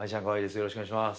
よろしくお願いします